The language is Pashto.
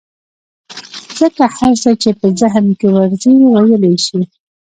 ځکه هر څه چې په ذهن کې ورځي ويلى يې شي.